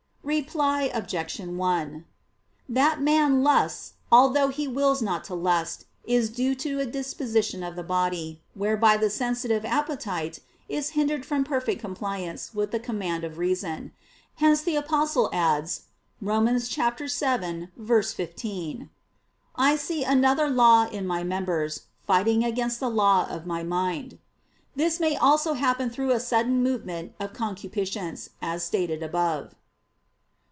Reply Obj. 1: That man lusts, although he wills not to lust, is due to a disposition of the body, whereby the sensitive appetite is hindered from perfect compliance with the command of reason. Hence the Apostle adds (Rom. 7:15): "I see another law in my members, fighting against the law of my mind." This may also happen through a sudden movement of concupiscence, as stated above.